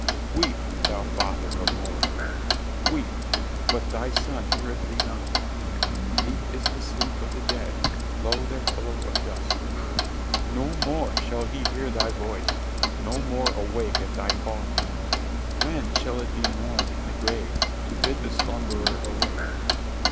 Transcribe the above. Weep, thou father of Morar! Weep, but thy son heareth thee not. Deep is the sleep of the dead, low their pillow of dust. No more shall he hear thy voice, no more awake at thy call. When shall it be morn in the grave, to bid the slumberer awake?